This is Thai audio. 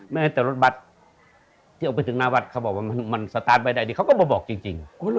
ไม่เป็นแต่รถบัตรว่าสะตานไปได้ดีเขาก็มาบอกจริง